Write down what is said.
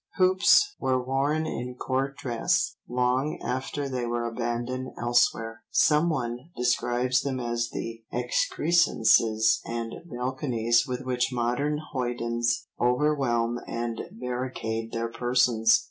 Hoops were worn in Court dress long after they were abandoned elsewhere, someone describes them as the "excrescences and balconies with which modern hoydens overwhelm and barricade their persons."